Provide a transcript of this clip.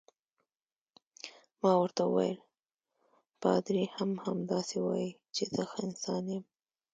ما ورته وویل: پادري هم همداسې وایي چې زه ښه انسان یم.